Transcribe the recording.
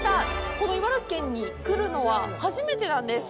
この茨城県に来るのは初めてなんです。